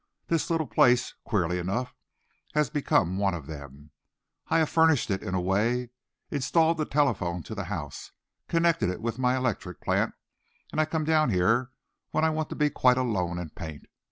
This little place, queerly enough, has become one of them. I have furnished it, in a way; installed the telephone to the house, connected it with my electric plant, and I come down here when I want to be quite alone, and paint.